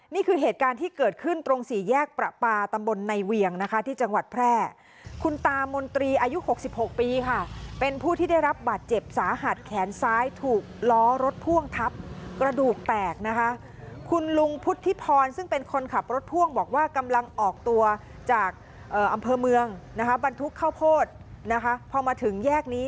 นี่คือเหตุการณ์ที่เกิดขึ้นตรงสี่แยกประปาตำบลในเวียงนะคะที่จังหวัดแพร่คุณตามนตรีอายุ๖๖ปีค่ะเป็นผู้ที่ได้รับบาดเจ็บสาหัสแขนซ้ายถูกล้อรถพ่วงทับกระดูกแตกนะคะคุณลุงพุทธิพรซึ่งเป็นคนขับรถพ่วงบอกว่ากำลังออกตัวจากอำเภอเมืองนะคะบรรทุกข้าวโพดนะคะพอมาถึงแยกนี้